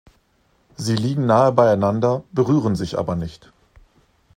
Sie liegen nahe beieinander, berühren sich aber nicht.